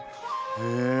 へえ。